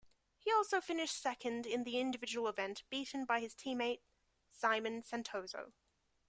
He also finished second in the individual event, beaten by his teammate Simon Santoso.